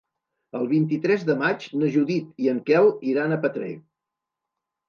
El vint-i-tres de maig na Judit i en Quel iran a Petrer.